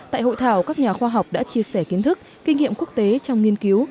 tại hội thảo các nhà khoa học đã chia sẻ kiến thức kinh nghiệm quốc tế trong nghiên cứu